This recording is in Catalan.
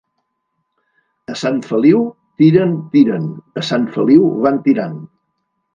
A Sant Feliu, tiren, tiren; a Sant Feliu van tirant.